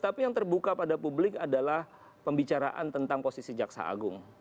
tapi yang terbuka pada publik adalah pembicaraan tentang posisi jaksa agung